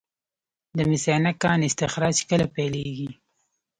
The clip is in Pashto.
د مس عینک کان استخراج کله پیلیږي؟